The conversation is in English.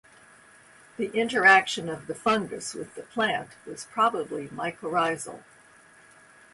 The interaction of the fungus with the plant was probably mycorrhizal.